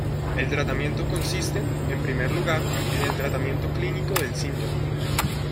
El tratamiento consiste, en primer lugar, en el tratamiento clínico del síntoma.